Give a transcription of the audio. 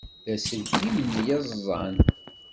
D aselkim n yiẓẓan!